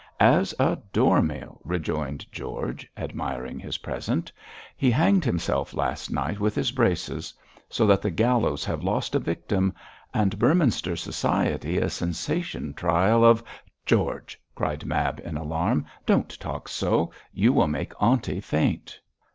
'As a door nail,' rejoined George, admiring his present; 'he hanged himself last night with his braces, so the gallows have lost a victim and Beorminster society a sensation trial of ' 'George!' cried Mab, in alarm, 'don't talk so; you will make aunty faint.'